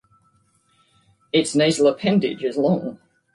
Its nasal appendage is long.